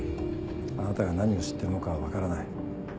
あなたが何を知ってるのか分からない。